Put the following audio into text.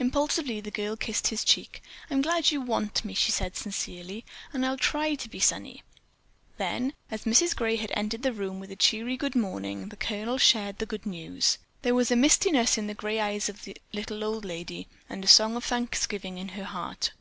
Impulsively the girl kissed his cheek. "I'm glad you want me," she said sincerely, "and I'll try to be sunny." Then, as Mrs. Gray had entered the room with a cheery good morning, the Colonel shared the good news. There was a mistiness in the grey eyes of the little old lady and a song of thanksgiving in her heart.